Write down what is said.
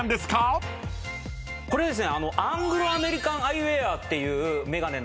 これですね。